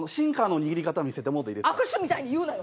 握手みたいに言うなよ。